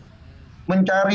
masyarakat yang menggunakan masker